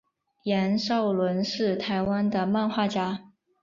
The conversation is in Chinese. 杨邵伦是台湾的漫画家。